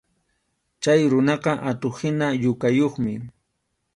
Chay runaqa atuq-hina yukakuqmi.